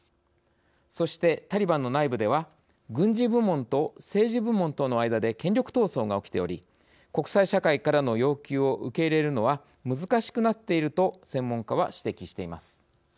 そしてタリバンの内部では軍事部門と政治部門との間で権力闘争が起きており国際社会からの要求を受け入れるのは難しくなっていると専門家は指摘しています。